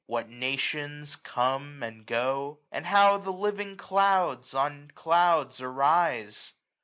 what nations come and go? 865 And how the living clouds on clouds arise?